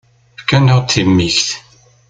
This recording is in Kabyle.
Efk-aneɣ-d timikt.